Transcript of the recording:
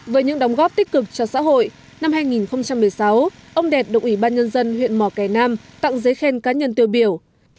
với những đóng góp tích cực cho xã hội năm hai nghìn một mươi sáu ông đẹp được ủy ban nhân dân huyện mỏ cải nam tặng giấy khen cá nhân tiêu biểu